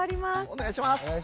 お願いします。